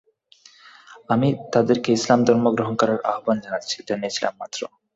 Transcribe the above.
আমি তাদেরকে ইসলাম ধর্ম গ্রহণ করার আহবান জানিয়েছিলাম মাত্র।